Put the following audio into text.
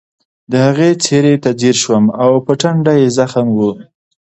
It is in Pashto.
د هغې څېرې ته ځیر شوم او په ټنډه یې زخم و